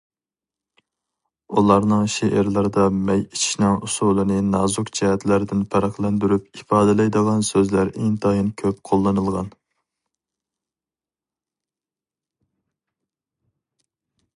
ئۇلارنىڭ شېئىرلىرىدا مەي ئىچىشنىڭ ئۇسۇلىنى نازۇك جەھەتلەردىن پەرقلەندۈرۈپ ئىپادىلەيدىغان سۆزلەر ئىنتايىن كۆپ قوللىنىلغان.